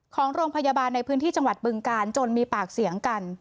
ของโรงพยาบาลในพื้นที่จังหวัดบึงกาลจนมีปากเสียงกัน